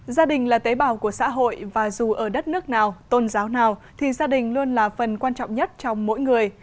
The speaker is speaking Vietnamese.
gia đình là tế bào của xã hội và dù ở đất nước nào tôn giáo nào thì gia đình luôn là phần quan trọng nhất trong mỗi người